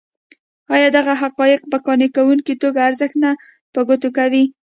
ایا دغه حقایق په قانع کوونکې توګه ارزښت نه په ګوته کوي.